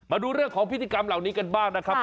มาดูเรื่องของพิธีกรรมเหล่านี้กันบ้างนะครับ